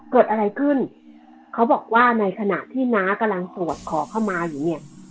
เกิดอะไรขึ้นเขาบอกว่าในขณะที่น้ากำลังสวดขอเข้ามาอยู่เนี่ย